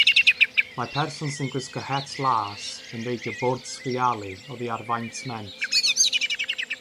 Mae person sy'n gwisgo het las yn reidio bwrdd sgrialu oddi ar fainc sment.